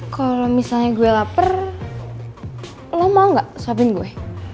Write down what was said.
kalau misalnya gue lapar lo mau nggak suapin gue